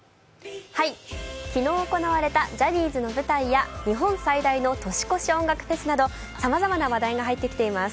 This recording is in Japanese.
昨日行われたジャニーズの舞台や日本最大の年越し音楽フェスなどさまざまな話題が入ってきています。